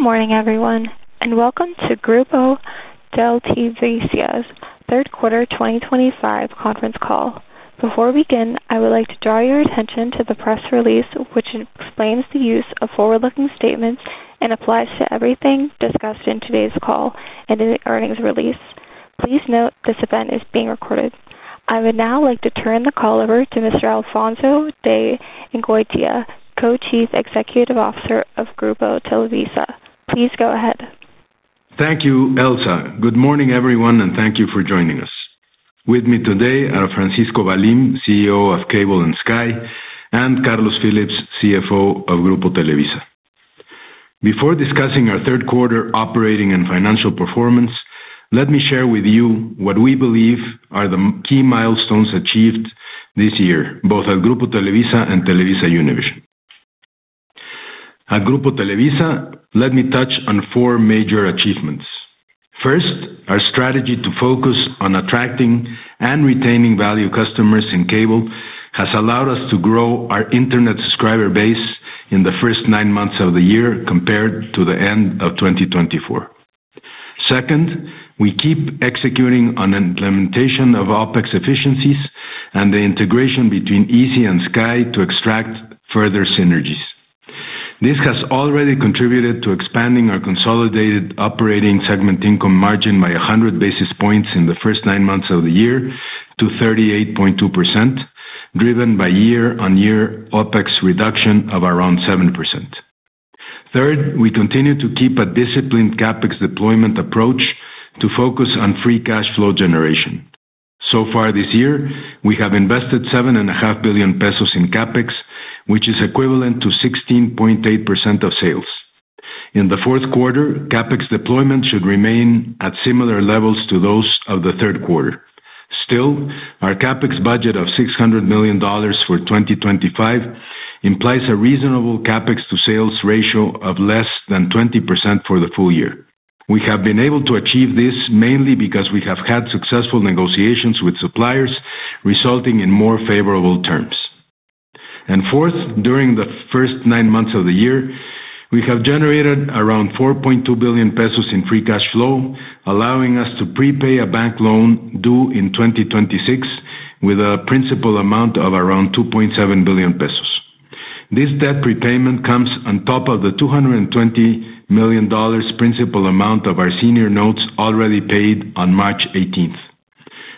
Good morning, everyone, and welcome to Grupo Televisa's third quarter 2025 conference call. Before we begin, I would like to draw your attention to the press release, which explains the use of forward-looking statements and applies to everything discussed in today's call and in the earnings release. Please note this event is being recorded. I would now like to turn the call over to Mr. Alfonso de Angoitia, Co-Chief Executive Officer of Grupo Televisa. Please go ahead. Thank you, Elsa. Good morning, everyone, and thank you for joining us. With me today are Francisco Valim, CEO of Cable and Sky, and Carlos Phillips, CFO of Grupo Televisa. Before discussing our third quarter operating and financial performance, let me share with you what we believe are the key milestones achieved this year, both at Grupo Televisa and TelevisaUnivision. At Grupo Televisa, let me touch on four major achievements. First, our strategy to focus on attracting and retaining value customers in cable has allowed us to grow our internet subscriber base in the first nine months of the year compared to the end of 2024. Second, we keep executing on the implementation of OPEX efficiencies and the integration between Easy and Sky to extract further synergies. This has already contributed to expanding our consolidated operating segment income margin by 100 basis points in the first nine months of the year to 38.2%, driven by year-on-year OPEX reduction of around 7%. Third, we continue to keep a disciplined CAPEX deployment approach to focus on free cash flow generation. So far this year, we have invested 7.5 billion pesos in CAPEX, which is equivalent to 16.8% of sales. In the fourth quarter, CAPEX deployment should remain at similar levels to those of the third quarter. Our CAPEX budget of $600 million for 2025 implies a reasonable CAPEX to sales ratio of less than 20% for the full year. We have been able to achieve this mainly because we have had successful negotiations with suppliers, resulting in more favorable terms. Fourth, during the first nine months of the year, we have generated around 4.2 billion pesos in free cash flow, allowing us to prepay a bank loan due in 2026 with a principal amount of around 2.7 billion pesos. This debt prepayment comes on top of the $220 million principal amount of our senior notes already paid on March 18th.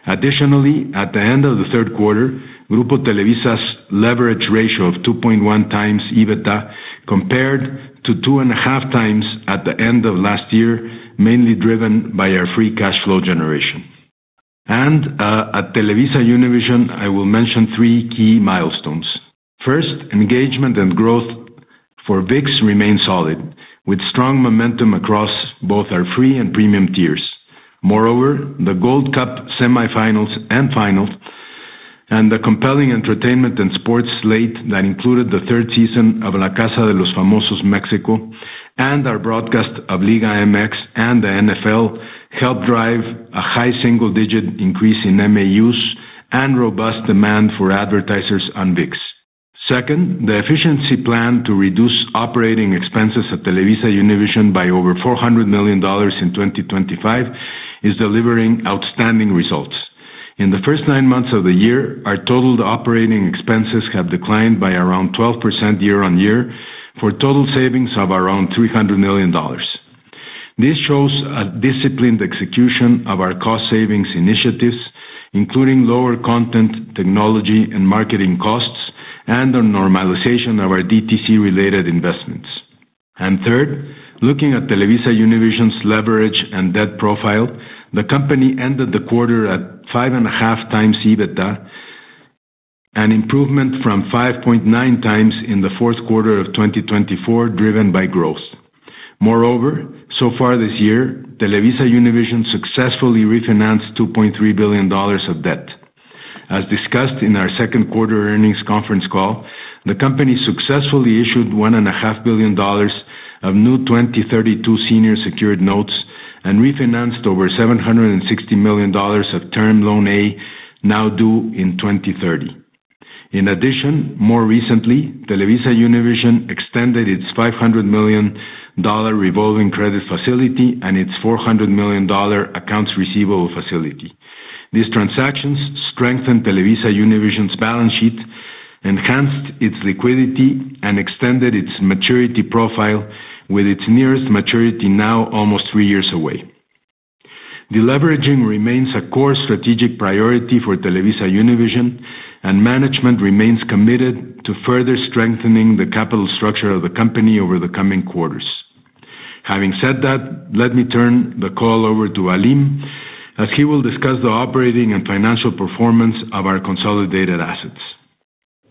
Additionally, at the end of the third quarter, Grupo Televisa's leverage ratio of 2.1 times EBITDA compared to 2.5 times at the end of last year, mainly driven by our free cash flow generation. At TelevisaUnivision, I will mention three key milestones. First, engagement and growth for ViX remain solid, with strong momentum across both our free and premium tiers. Moreover, the Gold Cup semi-finals and finals, and the compelling entertainment and sports slate that included the third season of La Casa de los Famosos México and our broadcast of Liga MX and the NFL helped drive a high single-digit increase in MAUs and robust demand for advertisers on ViX. Second, the efficiency plan to reduce operating expenses at TelevisaUnivision by over $400 million in 2025 is delivering outstanding results. In the first nine months of the year, our total operating expenses have declined by around 12% year-on-year for total savings of around $300 million. This shows a disciplined execution of our cost-savings initiatives, including lower content, technology, and marketing costs, and the normalization of our DTC-related investments. Third, looking at TelevisaUnivision's leverage and debt profile, the company ended the quarter at 5.5 times EBITDA, an improvement from 5.9 times in the fourth quarter of 2024, driven by growth. Moreover, so far this year, TelevisaUnivision successfully refinanced $2.3 billion of debt. As discussed in our second quarter earnings conference call, the company successfully issued $1.5 billion of new 2032 senior secured notes and refinanced over $760 million of Term Loan A, now due in 2030. In addition, more recently, TelevisaUnivision extended its $500 million revolving credit facility and its $400 million accounts receivable facility. These transactions strengthened TelevisaUnivision's balance sheet, enhanced its liquidity, and extended its maturity profile with its nearest maturity now almost three years away. Deleveraging remains a core strategic priority for TelevisaUnivision, and management remains committed to further strengthening the capital structure of the company over the coming quarters. Having said that, let me turn the call over to Alfonso, as he will discuss the operating and financial performance of our consolidated assets.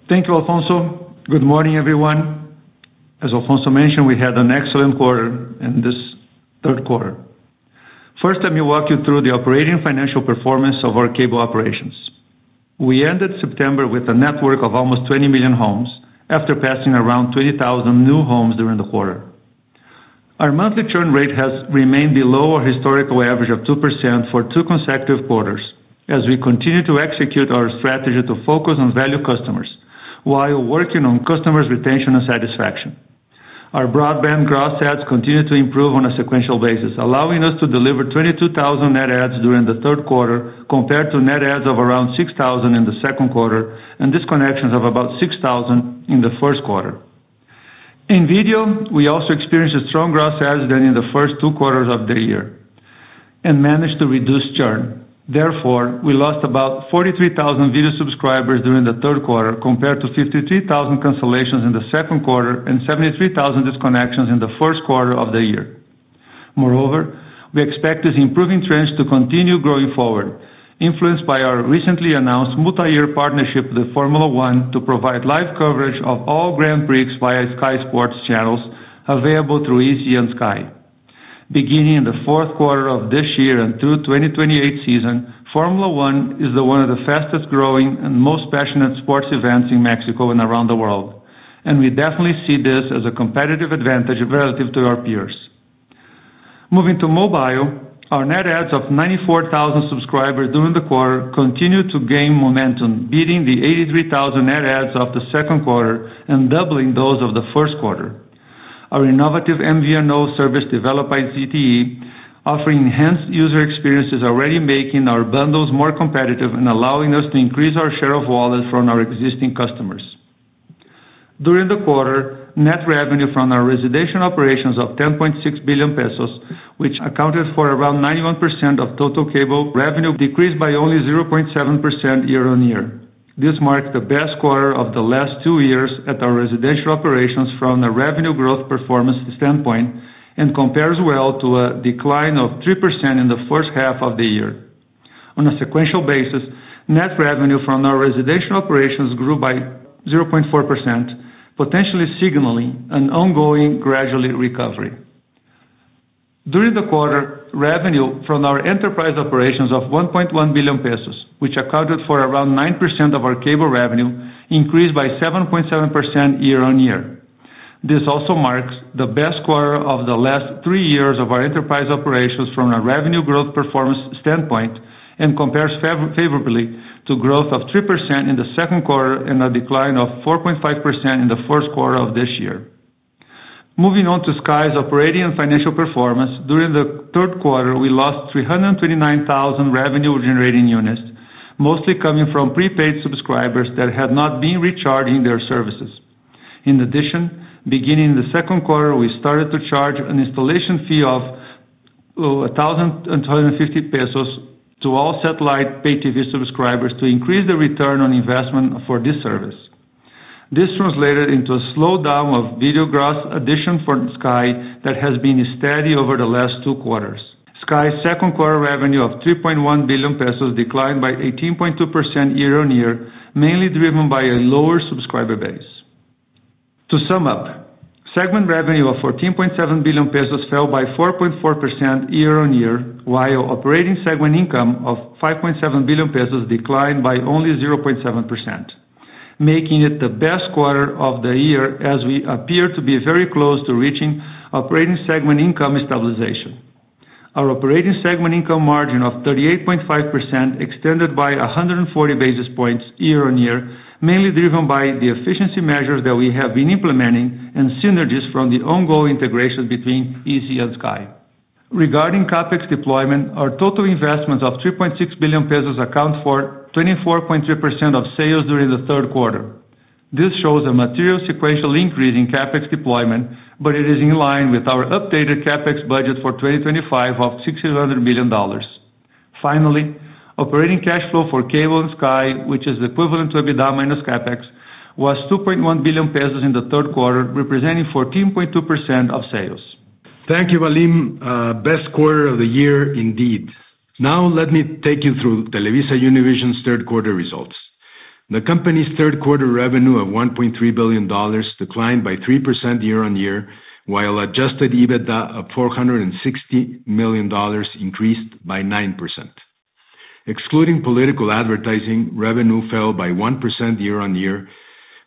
Thank you, Alfonso. Good morning, everyone. As Alfonso mentioned, we had an excellent quarter in this third quarter. First, let me walk you through the operating financial performance of our cable operations. We ended September with a network of almost 20 million homes, after passing around 20,000 new homes during the quarter. Our monthly churn rate has remained below our historical average of 2% for two consecutive quarters, as we continue to execute our strategy to focus on value customers while working on customers' retention and satisfaction. Our broadband gross ads continue to improve on a sequential basis, allowing us to deliver 22,000 net ads during the third quarter, compared to net ads of around 6,000 in the second quarter and disconnections of about 6,000 in the first quarter. In video, we also experienced stronger ads than in the first two quarters of the year and managed to reduce churn. Therefore, we lost about 43,000 video subscribers during the third quarter, compared to 53,000 cancellations in the second quarter and 73,000 disconnections in the first quarter of the year. Moreover, we expect this improving trend to continue growing forward, influenced by our recently announced multi-year partnership with Formula One to provide live coverage of all Grand Prix via Sky Sports channels available through Easy on Sky. Beginning in the fourth quarter of this year and through the 2028 season, Formula One is one of the fastest growing and most passionate sports events in Mexico and around the world, and we definitely see this as a competitive advantage relative to our peers. Moving to mobile, our net ads of 94,000 subscribers during the quarter continue to gain momentum, beating the 83,000 net ads of the second quarter and doubling those of the first quarter. Our innovative MVNO service developed by ZTE offered enhanced user experiences, already making our bundles more competitive and allowing us to increase our share of wallet from our existing customers. During the quarter, net revenue from our residential operations of 10.6 billion pesos, which accounted for around 91% of total cable revenue, decreased by only 0.7% year-on-year. This marks the best quarter of the last two years at our residential operations from a revenue growth performance standpoint and compares well to a decline of 3% in the first half of the year. On a sequential basis, net revenue from our residential operations grew by 0.4%, potentially signaling an ongoing gradual recovery. During the quarter, revenue from our enterprise operations of 1.1 billion pesos, which accounted for around 9% of our cable revenue, increased by 7.7% year-on-year. This also marks the best quarter of the last three years of our enterprise operations from a revenue growth performance standpoint and compares favorably to growth of 3% in the second quarter and a decline of 4.5% in the first quarter of this year. Moving on to Sky's operating financial performance, during the third quarter, we lost 329,000 revenue-generating units, mostly coming from prepaid subscribers that had not been recharging their services. In addition, beginning the second quarter, we started to charge an installation fee of 1,250 pesos to all satellite pay-TV subscribers to increase the return on investment for this service. This translated into a slowdown of video gross additions for Sky that has been steady over the last two quarters. Sky's second quarter revenue of 3.1 billion pesos declined by 18.2% year-on-year, mainly driven by a lower subscriber base. To sum up, segment revenue of 14.7 billion pesos fell by 4.4% year-on-year, while operating segment income of MXN $5.7 billion declined by only 0.7%, making it the best quarter of the year as we appear to be very close to reaching operating segment income stabilization. Our operating segment income margin of 38.5% extended by 140 basis points year-on-year, mainly driven by the efficiency measures that we have been implementing and synergies from the ongoing integration between Easy and Sky. Regarding CAPEX deployment, our total investments of 3.6 billion pesos account for 24.3% of sales during the third quarter. This shows a material sequential increase in CAPEX deployment, but it is in line with our updated CAPEX budget for 2025 of $600 million. Finally, operating cash flow for Cable and Sky, which is equivalent to EBITDA minus CAPEX, was 2.1 billion pesos in the third quarter, representing 14.2% of sales. Thank you, Alim. Best quarter of the year, indeed. Now, let me take you through TelevisaUnivision's third quarter results. The company's third quarter revenue of $1.3 billion declined by 3% year-on-year, while adjusted EBITDA of $460 million increased by 9%. Excluding political advertising, revenue fell by 1% year-on-year,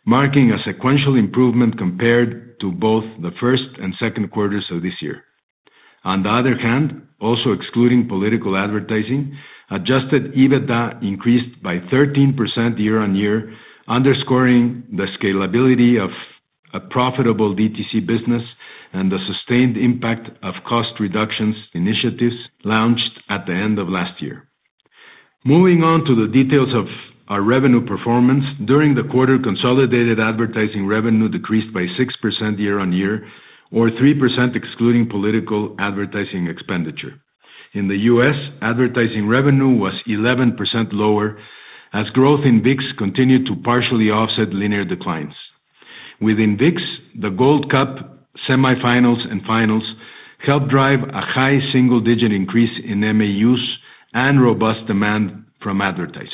marking a sequential improvement compared to both the first and second quarters of this year. On the other hand, also excluding political advertising, adjusted EBITDA increased by 13% year-on-year, underscoring the scalability of a profitable DTC business and the sustained impact of cost reduction initiatives launched at the end of last year. Moving on to the details of our revenue performance, during the quarter, consolidated advertising revenue decreased by 6% year-on-year, or 3% excluding political advertising expenditure. In the U.S., advertising revenue was 11% lower, as growth in ViX continued to partially offset linear declines. Within ViX, the Gold Cup semi-finals and finals helped drive a high single-digit increase in MAUs and robust demand from advertisers.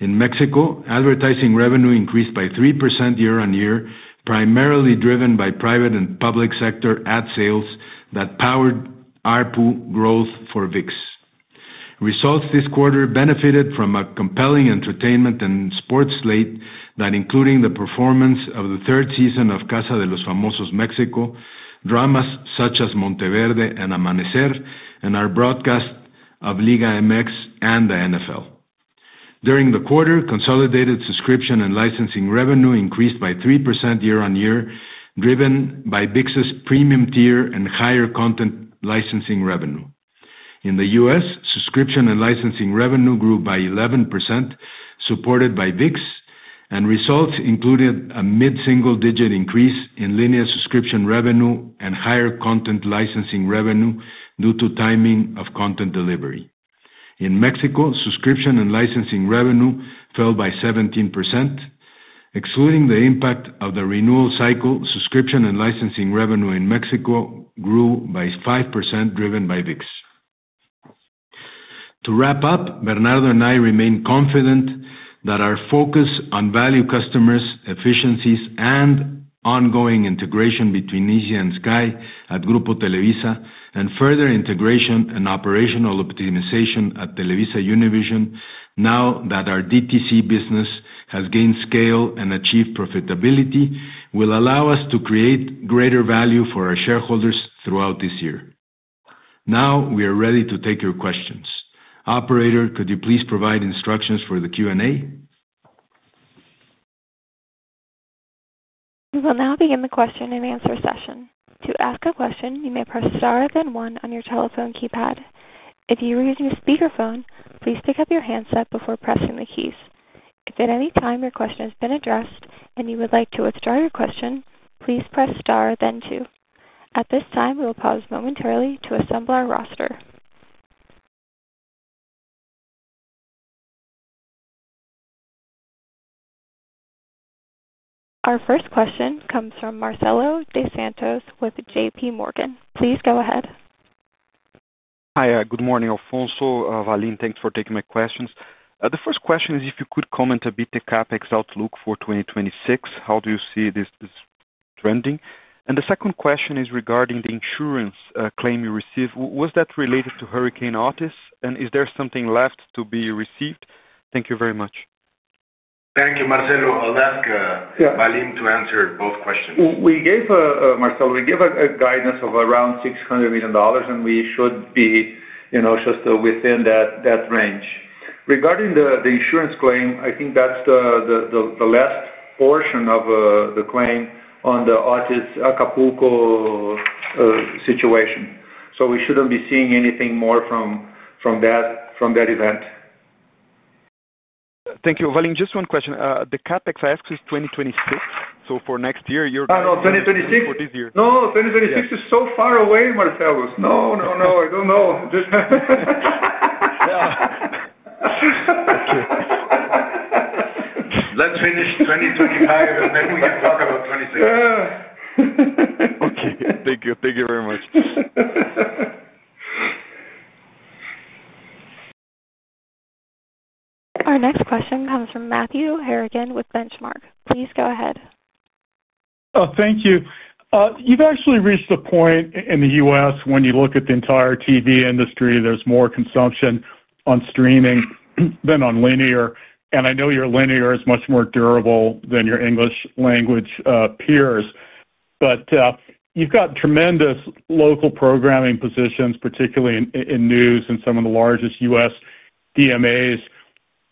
In Mexico, advertising revenue increased by 3% year-on-year, primarily driven by private and public sector ad sales that powered ARPU growth for ViX. Results this quarter benefited from a compelling entertainment and sports slate that included the performance of the third season of Casa de los Famosos México, dramas such as Monteverde and Amanecer, and our broadcast of Liga MX and the NFL. During the quarter, consolidated subscription and licensing revenue increased by 3% year-on-year, driven by ViX's premium tier and higher content licensing revenue. In the U.S., subscription and licensing revenue grew by 11%, supported by ViX, and results included a mid-single-digit increase in linear subscription revenue and higher content licensing revenue due to timing of content delivery. In Mexico, subscription and licensing revenue fell by 17%. Excluding the impact of the renewal cycle, subscription and licensing revenue in Mexico grew by 5%, driven by ViX. To wrap up, Bernardo and I remain confident that our focus on value customers, efficiencies, and ongoing integration between Easy on Sky at Grupo Televisa and further integration and operational optimization at TelevisaUnivision, now that our DTC business has gained scale and achieved profitability, will allow us to create greater value for our shareholders throughout this year. Now, we are ready to take your questions. Operator, could you please provide instructions for the Q&A? We will now begin the question and answer session. To ask a question, you may press star then one on your telephone keypad. If you are using a speakerphone, please pick up your handset before pressing the keys. If at any time your question has been addressed and you would like to withdraw your question, please press star then two. At this time, we will pause momentarily to assemble our roster. Our first question comes from Marcelo de Santos with JP Morgan. Please go ahead. Hi, good morning, Alfonso. Valim, thanks for taking my questions. The first question is if you could comment a bit on the CAPEX outlook for 2026. How do you see this trending? The second question is regarding the insurance claim you received. Was that related to Hurricane Otis? Is there something left to be received? Thank you very much. Thank you, Marcelo. I'll ask Valim to answer both questions. We gave a guidance of around $600 million, and we should be just within that range. Regarding the insurance claim, I think that's the last portion of the claim on the Otis Acapulco situation. We shouldn't be seeing anything more from that event. Thank you. Valim, just one question. The CAPEX I asked is 2026. For next year, you're going to. No, no, 2026? For this year. No, 2026 is so far away, Marcelo. No, no, no, I don't know. Let's finish 2025, and then we can talk about 2026. Okay. Thank you. Thank you very much. Our next question comes from Matthew Harrigan with Benchmark. Please go ahead. Oh, thank you. You've actually reached the point in the U.S. when you look at the entire TV industry, there's more consumption on streaming than on linear. I know your linear is much more durable than your English language peers. You've got tremendous local programming positions, particularly in news and some of the largest U.S. DMAs.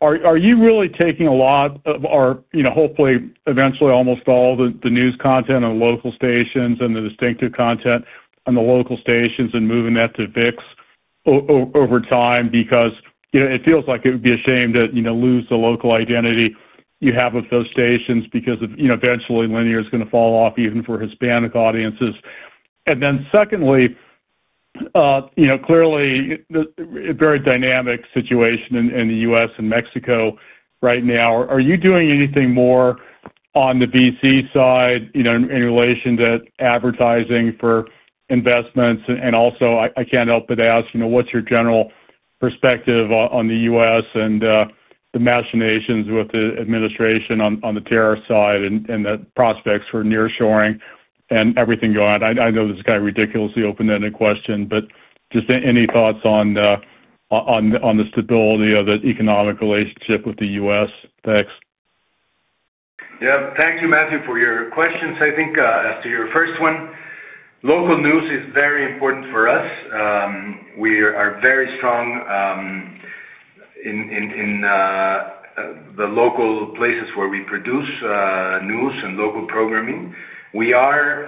Are you really taking a lot of our, hopefully, eventually almost all the news content on local stations and the distinctive content on the local stations and moving that to ViX over time? It feels like it would be a shame to lose the local identity you have with those stations because eventually linear is going to fall off even for Hispanic audiences. Secondly, you know clearly a very dynamic situation in the U.S. and Mexico right now. Are you doing anything more on the VC side in relation to advertising for investments? I can't help but ask, what's your general perspective on the U.S. and the machinations with the administration on the tariff side and the prospects for nearshoring and everything going on? I know this is kind of a ridiculously open-ended question, but just any thoughts on the stability of the economic relationship with the U.S.? Thanks. Yeah. Thank you, Matthew, for your questions. I think as to your first one, local news is very important for us. We are very strong in the local places where we produce news and local programming. We are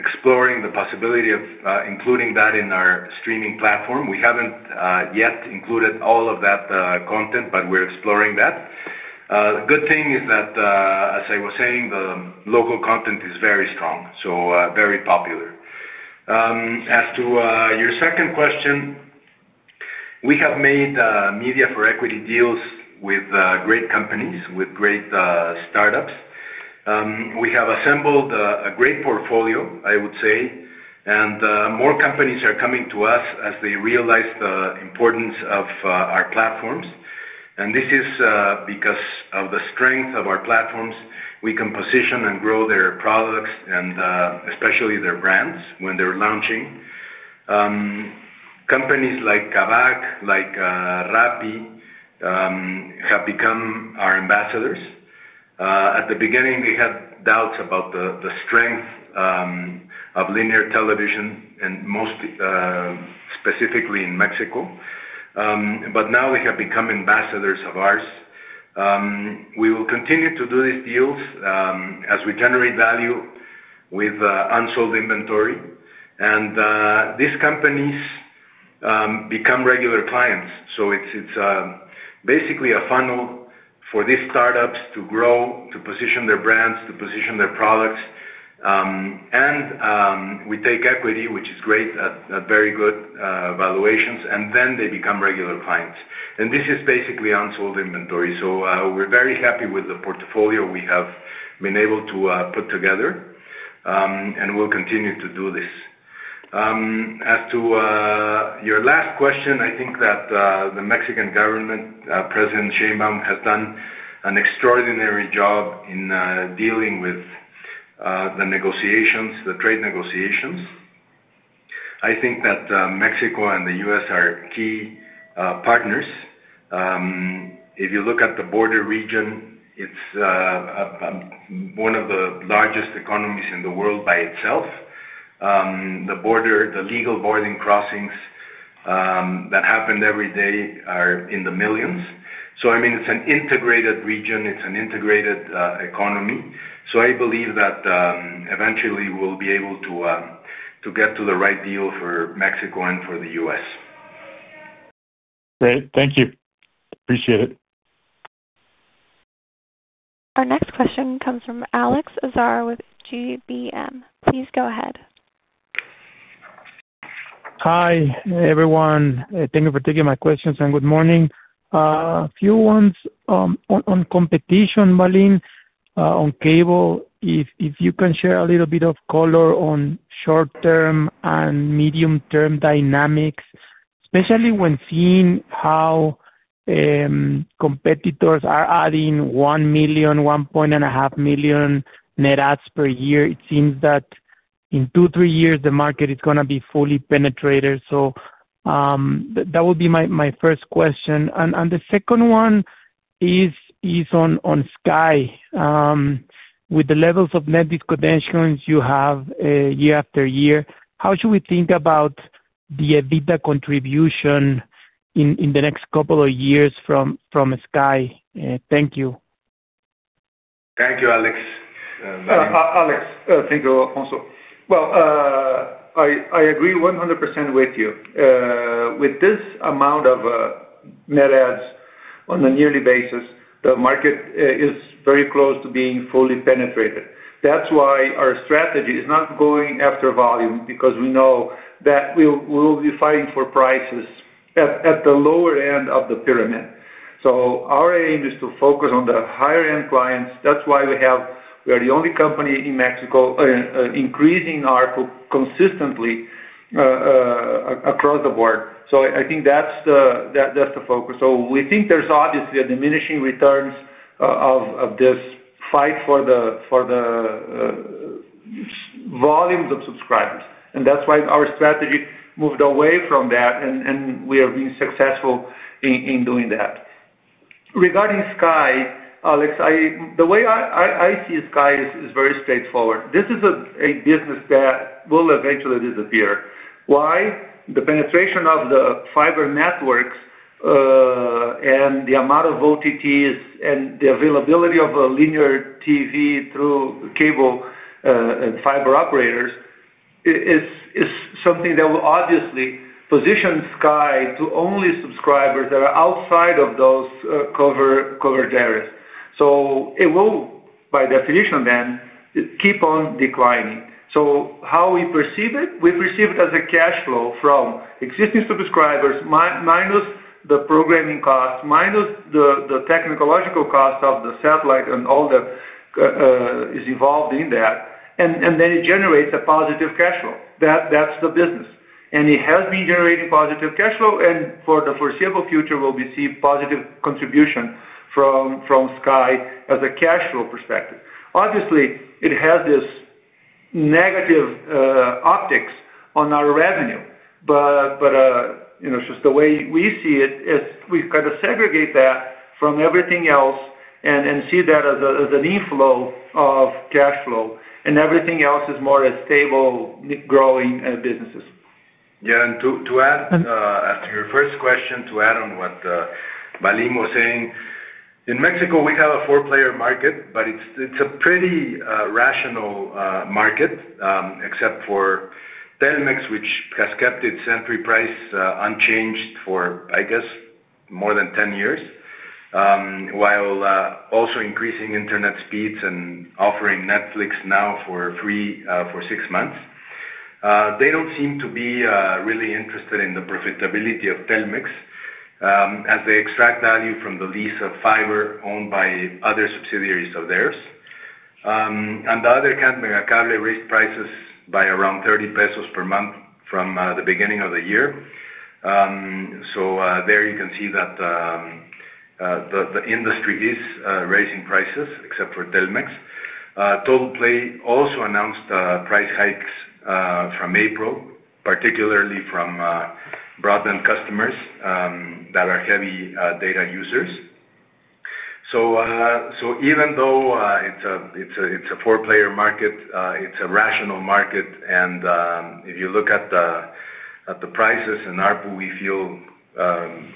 exploring the possibility of including that in our streaming platform. We haven't yet included all of that content, but we're exploring that. The good thing is that, as I was saying, the local content is very strong, so very popular. As to your second question, we have made media for equity deals with great companies, with great startups. We have assembled a great portfolio, I would say, and more companies are coming to us as they realize the importance of our platforms. This is because of the strength of our platforms. We can position and grow their products and especially their brands when they're launching. Companies like Kavak, like Rappi, have become our ambassadors. At the beginning, they had doubts about the strength of linear television, and most specifically in Mexico. Now they have become ambassadors of ours. We will continue to do these deals as we generate value with unsold inventory. These companies become regular clients. It's basically a funnel for these startups to grow, to position their brands, to position their products. We take equity, which is great, at very good valuations, and then they become regular clients. This is basically unsold inventory. We're very happy with the portfolio we have been able to put together, and we'll continue to do this. As to your last question, I think that the Mexican government, President Sheinbaum, has done an extraordinary job in dealing with the trade negotiations. I think that Mexico and the U.S. are key partners. If you look at the border region, it's one of the largest economies in the world by itself. The legal border crossings that happen every day are in the millions. It's an integrated region. It's an integrated economy. I believe that eventually we'll be able to get to the right deal for Mexico and for the U.S. Great. Thank you. Appreciate it. Our next question comes from Alex Azar with GBM. Please go ahead. Hi, everyone. Thank you for taking my questions and good morning. A few ones on competition, Valim, on cable. If you can share a little bit of color on short-term and medium-term dynamics, especially when seeing how competitors are adding 1 million, 1.5 million net ads per year. It seems that in two, three years, the market is going to be fully penetrated. That would be my first question. The second one is on Sky. With the levels of net disconnections you have year after year, how should we think about the EBITDA contribution in the next couple of years from Sky? Thank you. Thank you, Alex. Alex, thank you, also. I agree 100% with you. With this amount of net ads on a yearly basis, the market is very close to being fully penetrated. That's why our strategy is not going after volume, because we know that we'll be fighting for prices at the lower end of the pyramid. Our aim is to focus on the higher-end clients. That's why we are the only company in Mexico increasing ARPU consistently across the board. I think that's the focus. We think there's obviously a diminishing returns of this fight for the volumes of subscribers. That's why our strategy moved away from that, and we have been successful in doing that. Regarding Sky, Alex, the way I see Sky is very straightforward. This is a business that will eventually disappear. Why? The penetration of the fiber networks and the amount of OTTs and the availability of a linear TV through cable and fiber operators is something that will obviously position Sky to only subscribers that are outside of those covered areas. It will, by definition then, keep on declining. How we perceive it? We perceive it as a cash flow from existing subscribers minus the programming costs, minus the technological cost of the satellite and all that is involved in that. It generates a positive cash flow. That's the business. It has been generating positive cash flow. For the foreseeable future, we'll be seeing positive contribution from Sky as a cash flow perspective. Obviously, it has this negative optics on our revenue. You know just the way we see it is we kind of segregate that from everything else and see that as an inflow of cash flow. Everything else is more stable, growing businesses. Yeah. To add, as to your first question, to add on what Valim was saying, in Mexico, we have a four-player market, but it's a pretty rational market, except for Telmex, which has kept its entry price unchanged for, I guess, more than 10 years, while also increasing internet speeds and offering Netflix now for free for six months. They don't seem to be really interested in the profitability of Telmex as they extract value from the lease of fiber owned by other subsidiaries of theirs. On the other hand, Mercable raised prices by around 30 pesos per month from the beginning of the year. There you can see that the industry is raising prices, except for Telmex. Total Play also announced price hikes from April, particularly for broadband customers that are heavy data users. Even though it's a four-player market, it's a rational market. If you look at the prices and ARPU, we feel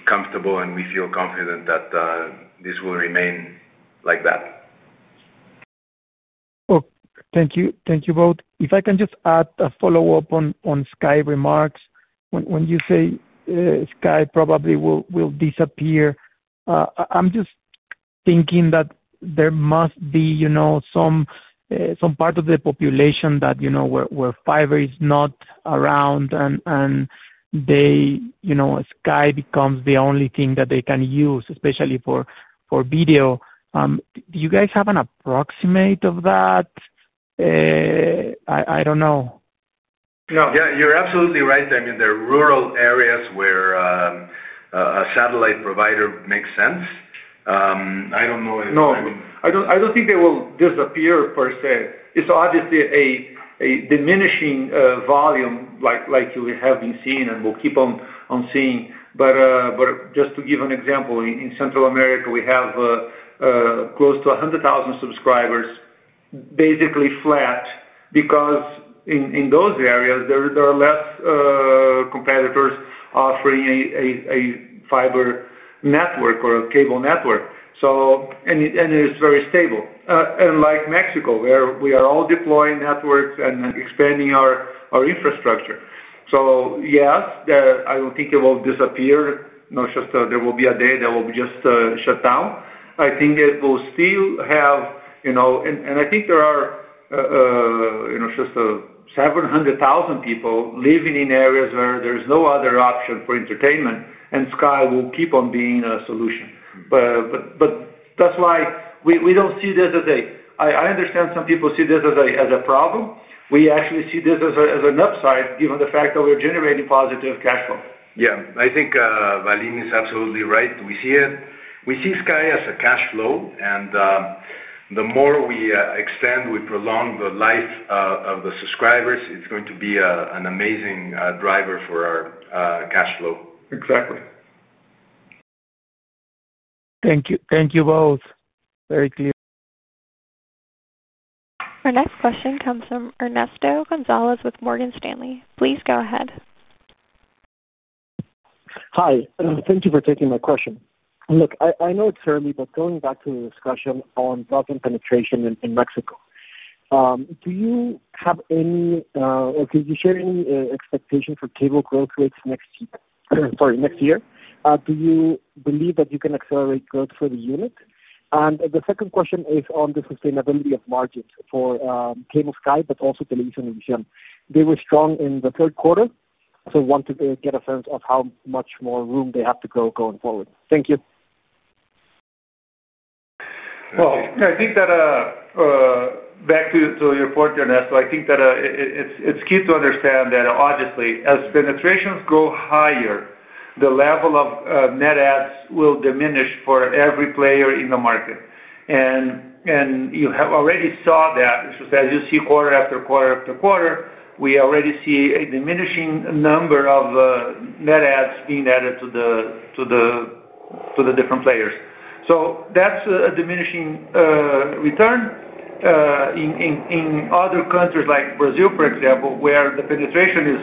comfortable, and we feel confident that this will remain like that. Thank you. Thank you both. If I can just add a follow-up on Sky remarks. When you say Sky probably will disappear, I'm just thinking that there must be some part of the population that you know where fiber is not around and Sky becomes the only thing that they can use, especially for video. Do you guys have an approximate of that? I don't know. Yeah, you're absolutely right. I mean, there are rural areas where a satellite provider makes sense. I don't know if. No, I don't think they will disappear per se. It's obviously a diminishing volume like we have been seeing and will keep on seeing. Just to give an example, in Central America, we have close to 100,000 subscribers, basically flat, because in those areas, there are less competitors offering a fiber network or a cable network. It's very stable, unlike Mexico, where we are all deploying networks and expanding our infrastructure. Yes, I don't think it will disappear. There will not be a day that it will just be shut down. I think it will still have, you know, and I think there are just 700,000 people living in areas where there's no other option for entertainment, and Sky will keep on being a solution. That's why we don't see this as a... I understand some people see this as a problem. We actually see this as an upside, given the fact that we're generating positive cash flow. I think Valim is absolutely right. We see it. We see Sky as a cash flow, and the more we extend, we prolong the life of the subscribers, it's going to be an amazing driver for our cash flow. Exactly. Thank you. Thank you both. Very clear. Our next question comes from Ernesto Gonzalez with Morgan Stanley. Please go ahead. Hi. Thank you for taking my question. I know it's early, but going back to the discussion on block and penetration in Mexico, do you have any, or could you share any expectation for cable growth rates next year? Do you believe that you can accelerate growth for the unit? The second question is on the sustainability of margins for Cable, Sky, but also TelevisaUnivision. They were strong in the third quarter, so I want to get a sense of how much more room they have to grow going forward. Thank you. I think that back to your point, Ernesto, I think that it's key to understand that, obviously, as penetrations go higher, the level of net ads will diminish for every player in the market. You have already saw that. It's just as you see quarter after quarter after quarter, we already see a diminishing number of net ads being added to the different players. That's a diminishing return. In other countries, like Brazil, for example, where the penetration is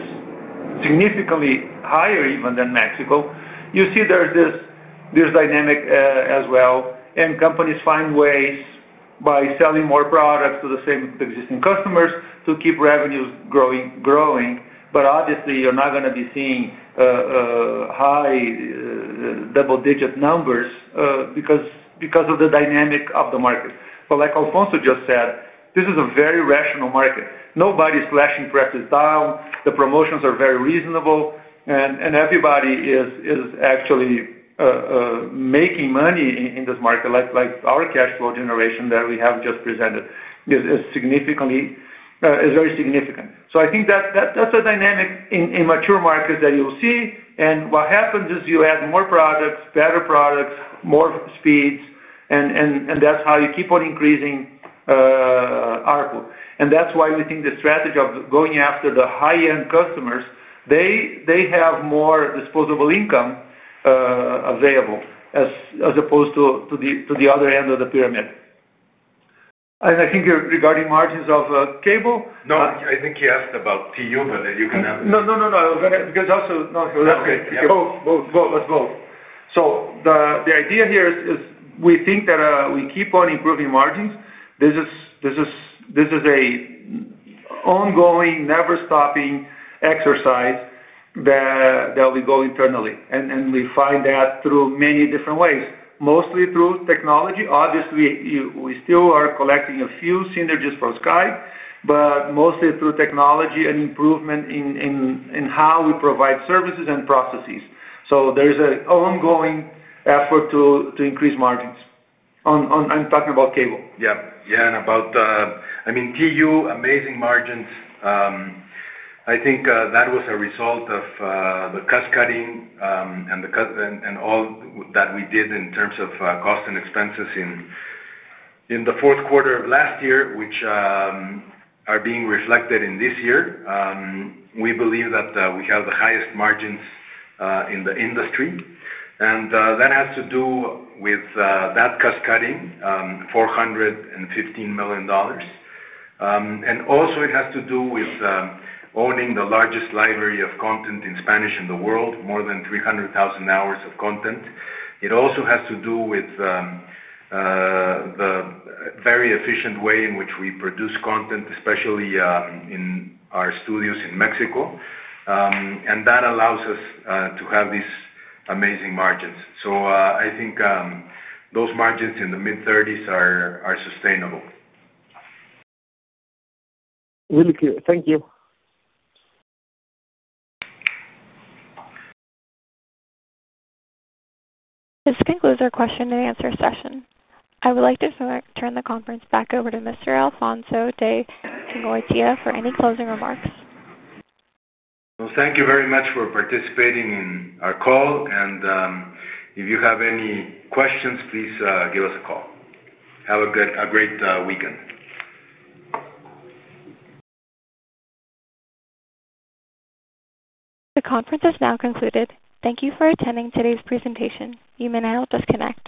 significantly higher even than Mexico, you see there's this dynamic as well. Companies find ways by selling more products to the same existing customers to keep revenues growing. Obviously, you're not going to be seeing high double-digit numbers because of the dynamic of the market. Like Alfonso just said, this is a very rational market. Nobody's slashing prices down. The promotions are very reasonable. Everybody is actually making money in this market. Like our cash flow generation that we have just presented is very significant. I think that's a dynamic in mature markets that you'll see. What happens is you add more products, better products, more speeds, and that's how you keep on increasing ARPU. That's why we think the strategy of going after the high-end customers, they have more disposable income available as opposed to the other end of the pyramid. I think regarding margins of cable. No, I think he asked about TU, but you can answer. No, that's okay. That's okay. Both, both, both. The idea here is we think that we keep on improving margins. This is an ongoing, never-stopping exercise that we go internally. We find that through many different ways, mostly through technology. Obviously, we still are collecting a few synergies from Sky, but mostly through technology and improvement in how we provide services and processes. There's an ongoing effort to increase margins. I'm talking about cable. Yeah. Yeah. About, I mean, TelevisaUnivision, amazing margins. I think that was a result of the custodian and all that we did in terms of cost and expenses in the fourth quarter of last year, which are being reflected in this year. We believe that we have the highest margins in the industry. That has to do with that custodian, $415 million. It also has to do with owning the largest library of content in Spanish in the world, more than 300,000 hours of content. It also has to do with the very efficient way in which we produce content, especially in our studios in Mexico. That allows us to have these amazing margins. I think those margins in the mid-30% are sustainable. Really clear. Thank you. This concludes our question and answer session. I would like to turn the conference back over to Mr. Alfonso de Angoitia for any closing remarks. Thank you very much for participating in our call. If you have any questions, please give us a call. Have a great weekend. The conference is now concluded. Thank you for attending today's presentation. You may now disconnect.